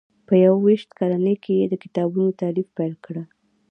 په یو ویشت کلنۍ کې یې د کتابونو تالیف پیل کړ.